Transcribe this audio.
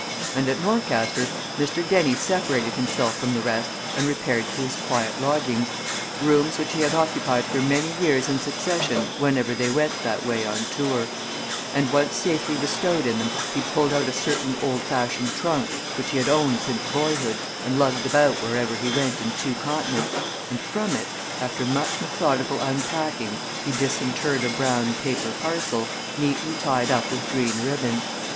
And at Norcaster Mr. Dennie separated himself from the rest and repaired to his quiet lodgings rooms which he had occupied for many years in succession whenever he went that way on tour and once safely bestowed in them he pulled out a certain old fashioned trunk, which he had owned since boyhood and lugged about wherever he went in two continents, and from it, after much methodical unpacking, he disinterred a brown paper parcel, neatly tied up with green ribbon.